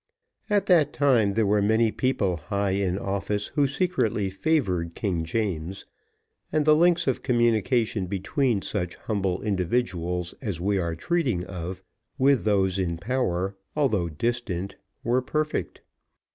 At that time, there were many people high in office who secretly favoured King James, and the links of communication between such humble individuals as we are treating of, with those in power, although distant, were perfect.